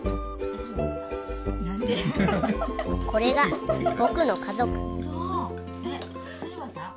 これが僕の家族